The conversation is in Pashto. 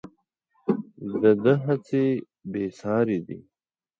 د ده هڅې بې ساري دي.